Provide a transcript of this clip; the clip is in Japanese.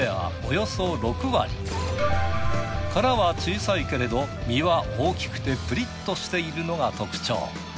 殻は小さいけれど身は大きくてプリッとしているのが特徴。